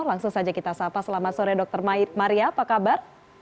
langsung saja kita sapa selamat sore dr maria apa kabar